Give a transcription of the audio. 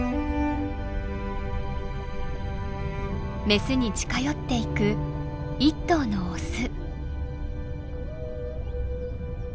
メスに近寄っていく一頭のオス。